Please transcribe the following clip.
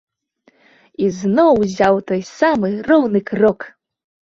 Ізноў узяў той самы роўны крок.